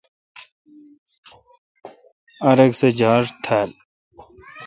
ار اک سہ جار تھال۔